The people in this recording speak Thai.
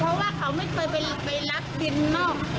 เพราะว่าเขาไม่เคยไปรับบินนอก